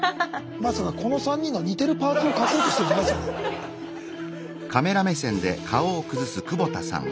まさかこの３人の似てるパーツを書こうとしてるんじゃないですよね。